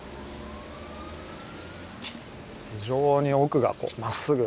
非常に奥がまっすぐ。